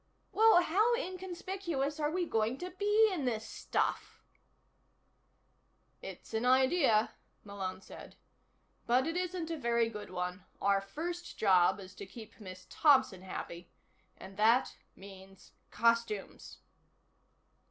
"Well, how inconspicuous are we going to be in this stuff?" "It's an idea," Malone said. "But it isn't a very good one. Our first job is to keep Miss Thompson happy. And that means costumes."